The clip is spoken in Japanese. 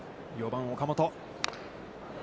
４番岡本。